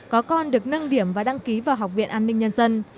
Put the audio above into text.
có con được nâng điểm và đăng ký vào học viện an ninh nhân dân